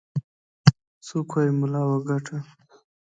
څوك وايي ملا وګاټه.